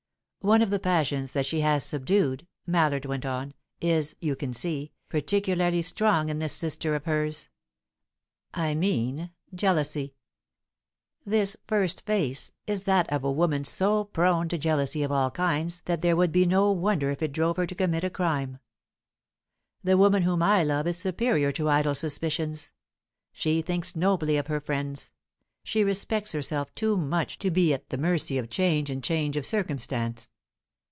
"One of the passions that she has subdued," Mallard went on, "is, you can see, particularly strong in this sister of hers. I mean jealousy. This first face is that of a woman so prone to jealousy of all kinds that there would be no wonder if it drove her to commit a crime. The woman whom I love is superior to idle suspicions; she thinks nobly of her friends; she respects herself too much to be at the mercy of chance and change of circumstance."